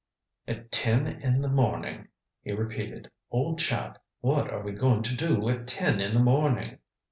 "At ten in the morning," he repeated. "Old chap, what are we going to do at ten in the morning?"